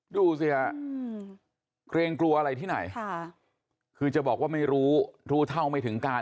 ดูสิฮะเกรงกลัวอะไรที่ไหนคือจะบอกว่าไม่รู้รู้รู้เท่าไม่ถึงการ